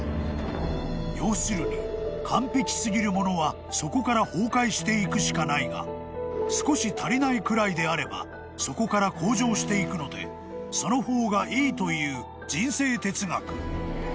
［要するに完璧すぎるものはそこから崩壊していくしかないが少し足りないくらいであればそこから向上していくのでその方がいいという人生哲学］